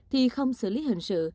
thì không xử lý hình sự